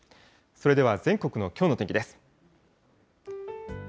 それでは全国のきょうの天気です。